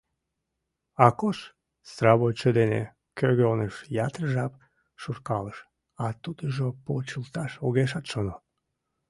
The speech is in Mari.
Акош сравочшо дене кӧгӧныш ятыр жап шуркалыш, а тудыжо почылташ огешат шоно.